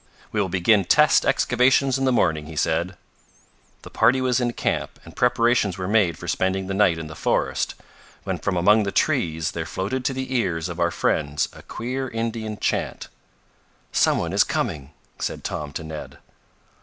"We will begin test excavations in the morning," he said. The party was in camp, and preparations were made for spending the night in the forest, when from among the trees there floated to the ears of our friends a queer Indian chant. "Some one is coming," said Tom to Ned.